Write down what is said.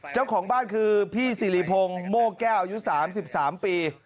เจ้าของบ้านคือพี่สิริพงศ์โม่แก้วอายุ๓๓ปี